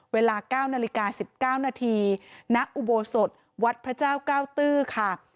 เวลา๙นาฬิกา๑๙นาทีณอุโบสถวัดพระเจ้าเก้าตื้อค่ะ